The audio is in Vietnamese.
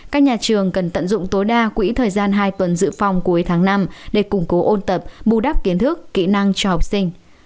các nhà trường cần tận dụng tối đa quỹ thời gian hai tuần dự phòng cuối tháng năm để củng cố ôn tập bù đắp kiến thức kỹ năng cho học sinh